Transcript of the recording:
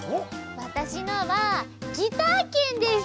わたしのは「ギター券」です。